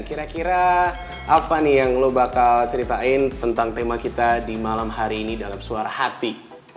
kira kira apa nih yang lo bakal ceritain tentang tema kita di malam hari ini dalam suara hati